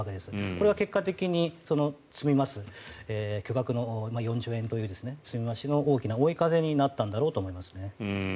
これは結果的に積み増す巨額の４兆円という積み増しの大きな追い風になったんだろうと思いますね。